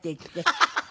ハハハハ。